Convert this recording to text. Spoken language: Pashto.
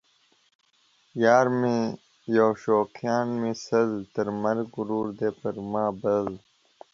یار مې یو شوقیان مې سل ـ تر مرګه ورور دی پر ما بل